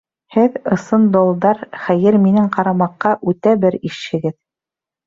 Һеҙ — ысын долдар, хәйер, минең ҡарамаҡҡа — үтә бер ишһегеҙ.